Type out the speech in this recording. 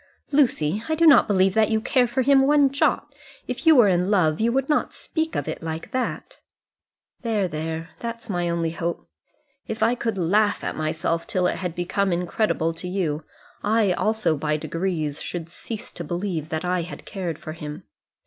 "Lucy, I do not believe that you care for him one jot. If you were in love you would not speak of it like that." "There, there. That's my only hope. If I could laugh at myself till it had become incredible to you, I also, by degrees, should cease to believe that I had cared for him.